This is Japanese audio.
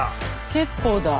結構だ。